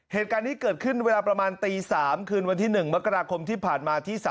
เหตุการณ์นี้เกิดขึ้นเวลาประมาณตี๓คืนวันที่๑มกราคมที่ผ่านมาที่๓